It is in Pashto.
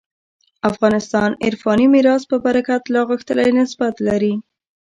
افغانستان عرفاني میراث په برکت لا غښتلی نسبت لري.